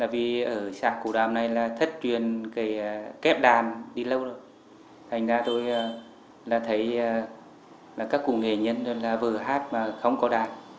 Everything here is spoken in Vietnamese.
vì ở xã cổ đàm này là thất truyền kép đàn đi lâu rồi thành ra tôi là thấy các cụ nghệ nhân vừa hát mà không có đàn